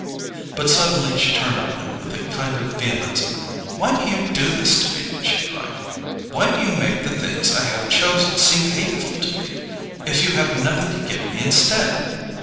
But suddenly she turned on him with a kind of vehemence. "Why do you do this to me?" she cried. "Why do you make the things I have chosen seem hateful to me, if you have nothing to give me instead?"